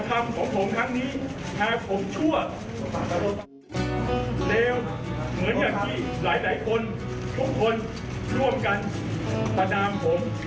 ผมไม่มีฝั่งยอม